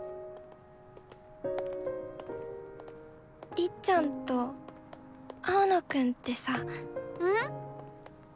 りっちゃんと青野くんってさ。ん？